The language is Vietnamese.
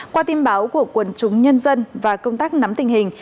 qua tin báo của quần chúng nhân dân và công tác nắm tình hình